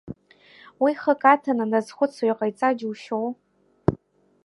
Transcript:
Уи хык аҭаны дазхәыцны иҟаиҵа џьушьоу?